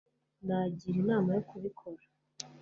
nagira inama yo kubikora